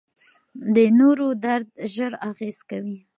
د نورو درد ژر اغېز کوي.